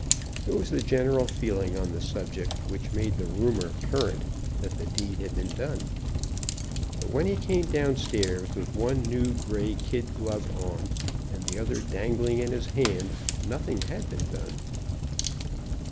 It was the general feeling on the subject which made the rumor current that the deed had been done. But when he came down stairs with one new gray kid glove on, and the other dangling in his hand, nothing had been done.